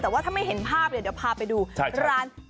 แต่ว่าถ้าไม่เห็นภาพเดี๋ยวพาไปดูร้านเจ๊นกกระท้อนซิ่งจ้า